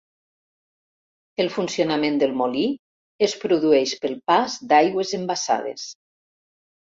El funcionament del molí es produeix pel pas d'aigües embassades.